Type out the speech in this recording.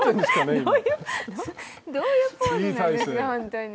どういうポーズなんですか、本当に。